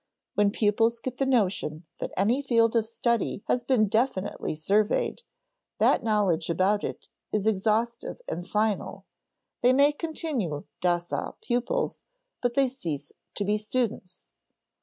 When pupils get the notion that any field of study has been definitely surveyed, that knowledge about it is exhaustive and final, they may continue docile pupils, but they cease to be students.